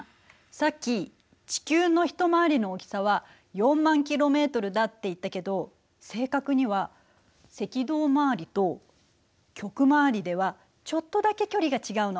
さっき地球の一回りの大きさは４０，０００ｋｍだって言ったけど正確には赤道周りと極周りではちょっとだけ距離が違うの。